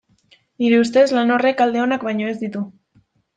Nire ustez, lan horrek alde onak baino ez ditu.